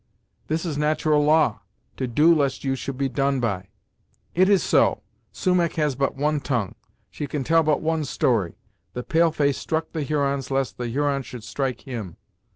This is nat'ral law, 'to do lest you should be done by.'" "It is so. Sumach has but one tongue; she can tell but one story. The pale face struck the Hurons lest the Hurons should strike him.